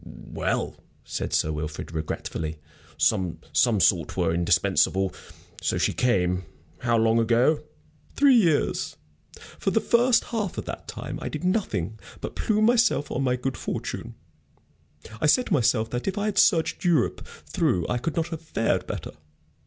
"Well," said Sir Wilfrid, regretfully, "some sort were indispensable. So she came. How long ago?" "Three years. For the first half of that time I did nothing but plume myself on my good fortune. I said to myself that if I had searched Europe through I could not have fared better.